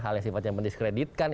hal yang sifatnya mendiskreditkan